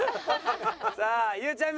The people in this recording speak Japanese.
さあゆうちゃみ